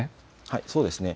そうですね。